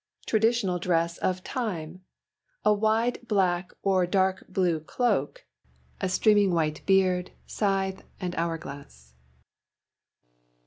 Traditional dress of Time: a wide black or dark blue cloak, a streaming white beard, scythe and hour glass.